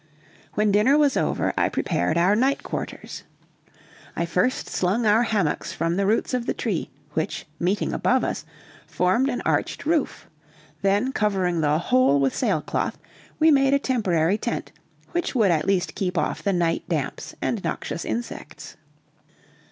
When dinner was over, I prepared our night quarters. I first slung our hammocks from the roots of the tree, which, meeting above us, formed an arched roof, then covering the whole with sailcloth, we made a temporary tent, which would at least keep off the night damps and noxious insects.